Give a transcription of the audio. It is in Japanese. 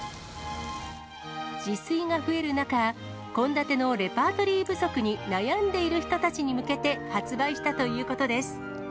自炊が増える中、献立のレパートリー不足に悩んでいる人たちに向けて発売したということです。